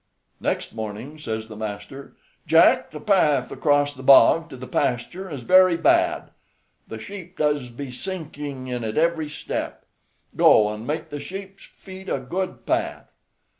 Next morning says the master: "Jack, the path across the bog to the pasture is very bad; the sheep does be sinking in it every step; go and make the sheep's feet a good path."